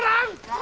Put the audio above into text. あ。